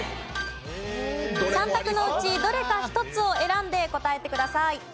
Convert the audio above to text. ３択のうちどれか１つを選んで答えてください。